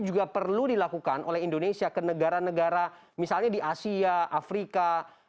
juga perlu dilakukan oleh indonesia ke negara negara misalnya di asia afrika